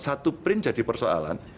satu print jadi persoalan